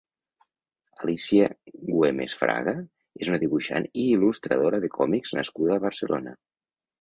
Alicia Güemes Fraga és una dibuixant i il·lustradora de còmics nascuda a Barcelona.